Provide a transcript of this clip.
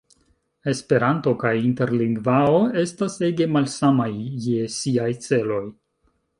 Esperanto kaj interlingvao estas ege malsamaj je siaj celoj.